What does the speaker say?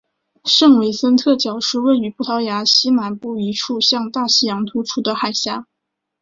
圣维森特角是位于葡萄牙西南部一处向大西洋突出的海岬。